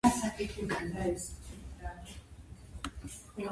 კარალიოკი გაკარალიოკებულა, საკარალიოკეში ჩაკარალიოკებულა.